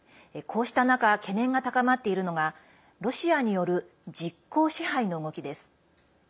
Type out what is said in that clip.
こうした中懸念が高まっているのがロシアによる実効支配の動きです。